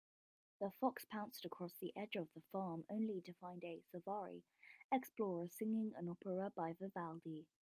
The fox pounced across the edge of the farm, only to find a safari explorer singing an opera by Vivaldi.